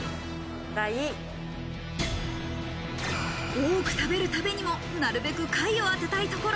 多く食べるためにも、なるべく下位を当てたいところ。